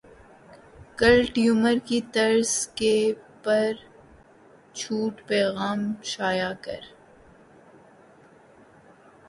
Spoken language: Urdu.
کل ٹیوٹر کی طرز کے پر چھوٹ پیغام شائع کر